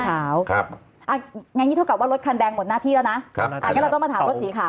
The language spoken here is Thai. อ่ะอย่างงี้เท่ากับว่ารถคันแดงหมดหน้าที่แล้วนะอ่ะก็เราต้องมาถามรถสีขาว